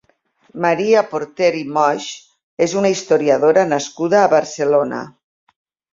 Maria Porter i Moix és una historiadora nascuda a Barcelona.